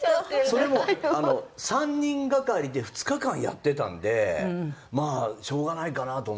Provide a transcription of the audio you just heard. それも３人がかりで２日間やってたんでまあしょうがないかなと思って。